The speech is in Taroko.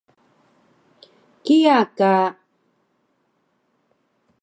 kiya ka